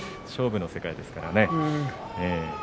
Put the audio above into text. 勝負の世界ですから。